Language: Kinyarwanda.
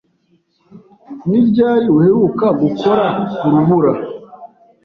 Ni ryari uheruka gukora ku rubura?